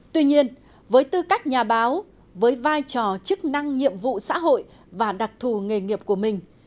tuy nhiên với tư cách nhà báo với vai trò chức năng nhiệm vụ xã hội và đặc thù nghề nghiệp của mình